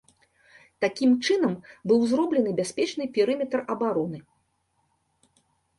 Такім чынам быў зроблены бяспечны перыметр абароны.